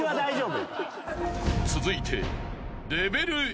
［続いて］